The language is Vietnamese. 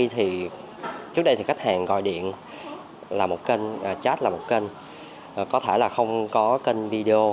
trước đây thì khách hàng gọi điện là một kênh chat là một kênh có thể là không có kênh video